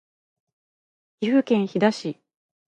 岐阜県飛騨市